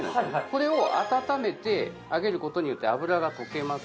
これを温めてあげることによって油が溶けます